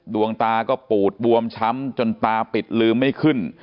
ดวงตาก็ปูดบวมช้ำจนตาปิดลืมไม่ขึ้น